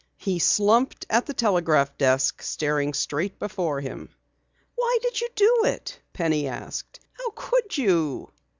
He slumped at the telegraph desk, staring straight before him. "Why did you do it?" Penny asked. "How could you?"